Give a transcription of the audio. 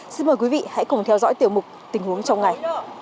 xin mời quý vị hãy cùng theo dõi tiểu mục tình huống trong ngày